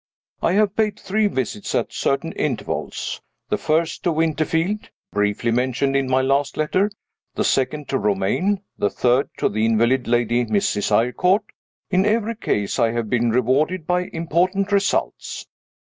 I have paid three visits, at certain intervals. The first to Winterfield (briefly mentioned in my last letter); the second to Romayne; the third to the invalid lady, Mrs. Eyrecourt. In every case I have been rewarded by important results.